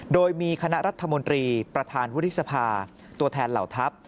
โดยมีคณะรัฐมนตรีประธานวุฒิสภาตัวแทนเหล่าทัพ